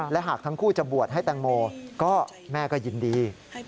และหากทั้งคู่จะบวชให้แตงโมก็แม่ก็ยินดี